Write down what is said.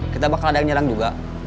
kita bakal ada yang nyerang juga